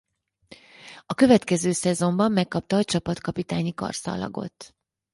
A következő szezonban megkapta a csapatkapitányi karszalagot.